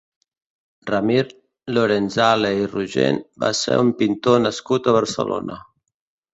Ramir Lorenzale i Rogent va ser un pintor nascut a Barcelona.